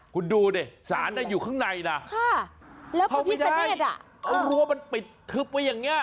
คุณดูสารอยู่ข้างในนะเข้าไม่ได้รั้วมันปิดทึบไว้อย่างนี้